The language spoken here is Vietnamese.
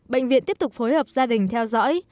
bệnh viện tiếp tục phối hợp gia đình theo dõi